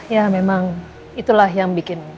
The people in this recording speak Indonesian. ya memang itulah yang bikin